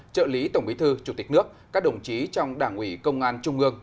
trợ lý tổng bí thư chủ tịch nước các đồng chí trong đảng ủy công an trung ương